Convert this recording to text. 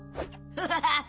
ハハハッ！